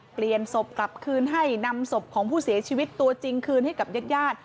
เปลี่ยนศพกลับคืนให้นำศพของผู้เสียชีวิตตัวจริงคืนให้กับญาติญาติ